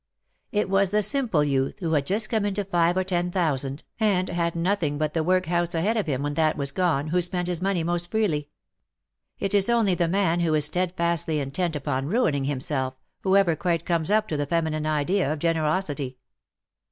It was the simple youth who had just come into five or ten thousand, and had nothing but the workhouse ahead of him when that was gone, who spent his money most freely. It is only the man who is steadfastly intent upon ruining himself, who ever quite comes up to the feminine idea of generosity.